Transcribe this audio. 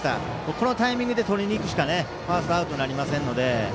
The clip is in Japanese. このタイミングでとりにいくしかファーストアウトなりませんので。